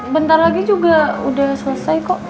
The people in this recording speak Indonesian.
bentar lagi juga udah selesai kok